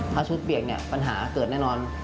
ถ้าชุดเปียกเนี่ยปัญหาเกิดแน่นอน